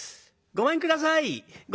ごめんください！」。